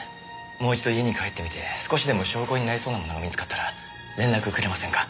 もう一度家に帰ってみて少しでも証拠になりそうなものが見つかったら連絡くれませんか。